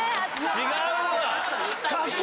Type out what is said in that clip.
違うわ！